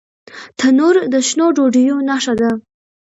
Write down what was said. تنور د شنو ډوډیو نښه ده